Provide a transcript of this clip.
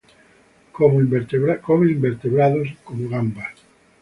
Come invertebrados, como gambas.